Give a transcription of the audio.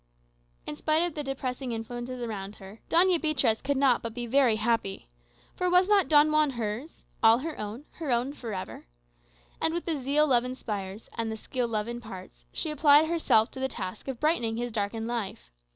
In spite of the depressing influences around her, Doña Beatriz could not but be very happy. For was not Don Juan hers, all her own, her own for ever? And with the zeal love inspires, and the skill love imparts, she applied herself to the task of brightening his darkened life.